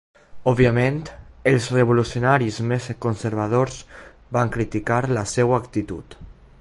Òbviament, els revolucionaris més conservadors van criticar la seva actitud.